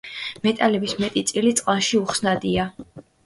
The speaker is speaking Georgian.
მეტალების მეტი წილი წყალში უხსნადია.